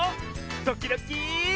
ドキドキ。